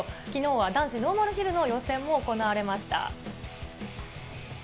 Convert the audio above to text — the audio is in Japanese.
きのうは男子ノーマルヒルの予選も行われました。